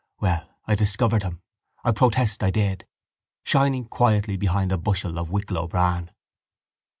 Well, I discovered him. I protest I did. Shining quietly behind a bushel of Wicklow bran.